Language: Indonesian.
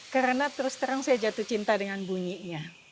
karena terus terang saya jatuh cinta dengan bunyinya